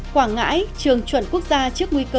quảng ngãi trường chuẩn quốc gia trước nguy cơ rớt chuẩn